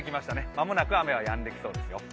まもなく雨はやんできそうですよ。